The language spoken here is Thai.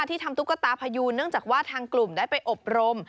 ที่ทำตุ๊กตาพยูนเนื่องจากว่าทางกลุ่มได้ไปอบรม